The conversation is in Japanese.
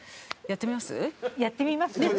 やってみます？